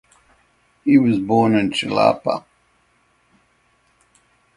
He was born in Chilapa.